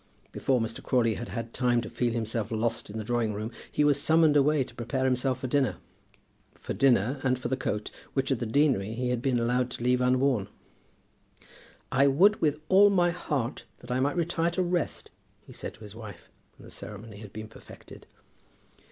Before Mr. Crawley had had time to feel himself lost in the drawing room, he was summoned away to prepare himself for dinner, for dinner, and for the coat, which at the deanery he had been allowed to leave unworn. "I would with all my heart that I might retire to rest," he said to his wife, when the ceremony had been perfected.